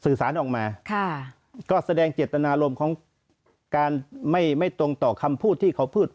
สารออกมาค่ะก็แสดงเจตนารมณ์ของการไม่ไม่ตรงต่อคำพูดที่เขาพูด